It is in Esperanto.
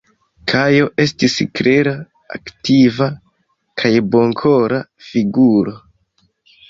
Kajo estis klera, aktiva kaj bonkora figuro.